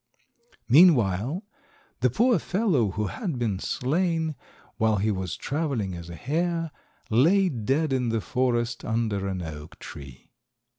Meanwhile the poor fellow who had been slain while he was travelling as a hare lay dead in the forest under an oak tree.